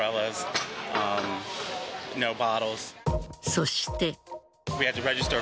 そして。